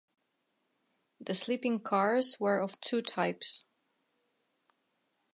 The sleeping cars were of two types.